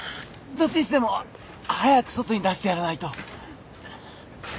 どっちにしても早く外に出してやらないと。